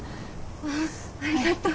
あありがとう。